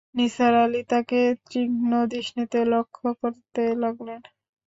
নিসার আলি তাকে তীক্ষ্ণ দৃষ্টিতে লক্ষ্য করতে লাগলেন।